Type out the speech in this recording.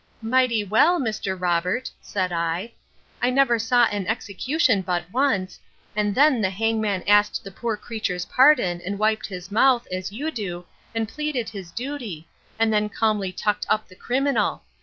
Mighty well, Mr. Robert! said I; I never saw an execution but once, and then the hangman asked the poor creature's pardon, and wiped his mouth, as you do, and pleaded his duty, and then calmly tucked up the criminal.